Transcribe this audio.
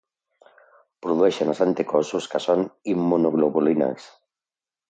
Produeixen els anticossos, que són immunoglobulines.